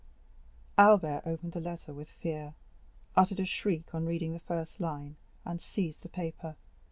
Albert opened the letter with fear, uttered a shriek on reading the first line, and seized the paper.